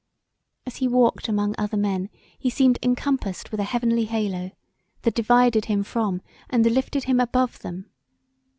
As he walked among other men he seemed encompassed with a heavenly halo that divided him from and lifted him above them.